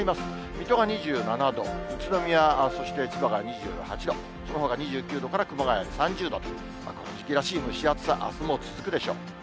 水戸が２７度、宇都宮、そして千葉が２８度、そのほか２９度から熊谷で３０度と、この時期らしい蒸し暑さ、あすも続くでしょう。